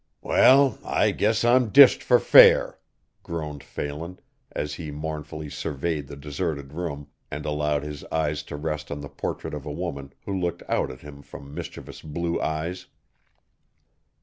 "Well, I guess I'm dished fer fair," groaned Phelan as he mournfully surveyed the deserted room and allowed his eyes to rest on the portrait of a woman who looked out at him from mischievous blue eyes.